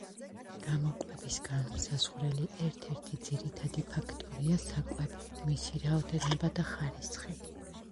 გამოკვების განმსაზღვრელი ერთ-ერთი ძირითადი ფაქტორია საკვები, მისი რაოდენობა და ხარისხი.